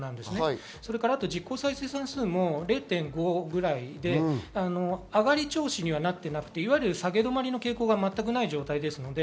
実効再生産数も０．５ぐらいで上り調子にはなっていなくて、下げ止まりの傾向が全くない状態です。